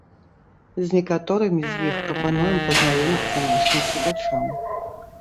З некаторымі з іх прапануем пазнаёміцца нашым чытачам.